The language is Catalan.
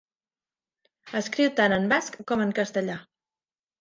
Escriu tant en basc com en castellà.